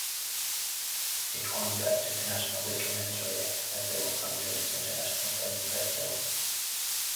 It won Best International Documentary at the Los Angeles International Film Festival.